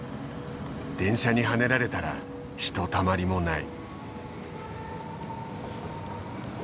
電車にはねられたらひとたまりもない。